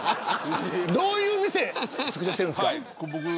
どういう店をスクショしてるんですか。